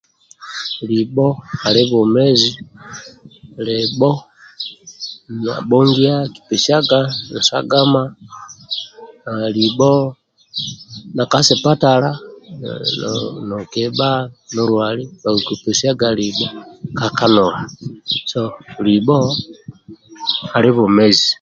Libo ali bwomezi libo abongiya akipesiyaga magila libo ndiaka sipatala koba nolwali bakuku pesiyaga libo ka kanula so libo ali bwomezi